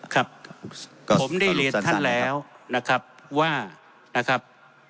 ครับผมได้เรียนท่านแล้วนะครับว่านะครับ